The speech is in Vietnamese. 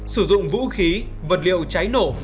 sử dụng vũ khí vật liệu cháy nổ